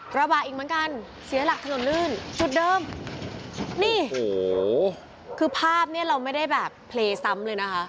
กระบะอีกเหมือนกันเสียหลักถนนลื่นจุดเดิมนี่โอ้โหคือภาพเนี้ยเราไม่ได้แบบเพลย์ซ้ำเลยนะคะ